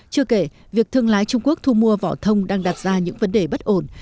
chưa kể việc thương lái trung quốc thu mua vỏ thông đang đặt ra những vấn đề bất ổn